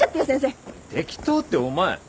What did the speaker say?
適当ってお前。